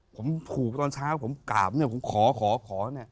ผมถูกตอนเช้าผมกลับผมขอขอขอ